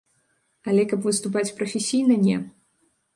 Але каб выступаць прафесійна, не.